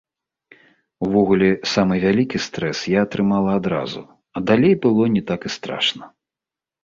Увогуле, самы вялікі стрэс я атрымала адразу, а далей было не так і страшна.